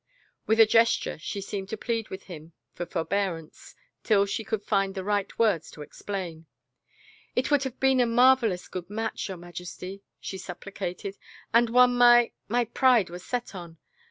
With a gesture she seemed to plead with him for for bearance till she could find the right words to explain :." It would have been a marvelous good match, your Majesty/' she supplicated, " and one my — my pride was set on.